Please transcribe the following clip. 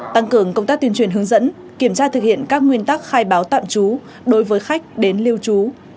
tăng cường công tác tuyên truyền hướng dẫn kiểm tra thực hiện các nguyên tắc khai báo tạm trú đối với khách đến lưu trú